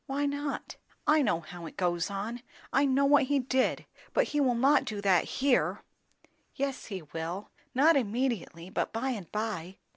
"Why not?" "I know how it goes on. I know what he did. But he will not do that here." "Yes, he will. Not immediately, but by and by."